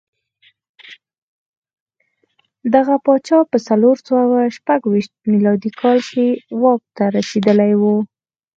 دغه پاچا په څلور سوه شپږ ویشت میلادي کال کې واک ته رسېدلی و